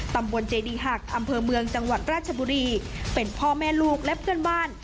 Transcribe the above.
ตำบลเจดีหักอำเภอเมืองจังหวัดราชบุรีเป็นพ่อแม่ลูกและเพื่อนบ้าน